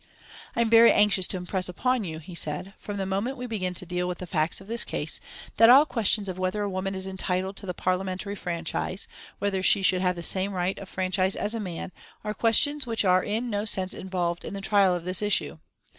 "I am very anxious to impress upon you," he said, "from the moment we begin to deal with the facts of this case, that all questions of whether a woman is entitled to the Parliamentary franchise, whether she should have the same right of franchise as a man, are questions which are in no sense involved in the trial of this issue....